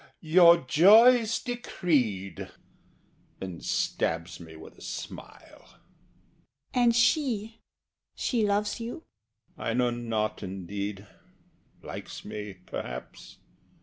YOUR JOY'S DECREED, and stabs me with a smile. SHE. And she she loves you? HE. I know not, indeed. Likes me, perhaps.